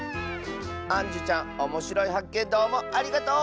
あんじゅちゃんおもしろいはっけんどうもありがとう！